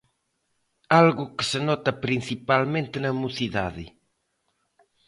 Algo que se nota principalmente na mocidade.